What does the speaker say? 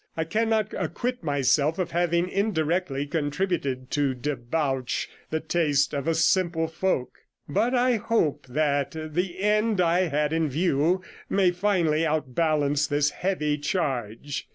I cannot acquit myself of having indirectly contributed to debauch the taste of a simple folk; but I 90 hope that the end I had in view may finally outbalance this heavy charge.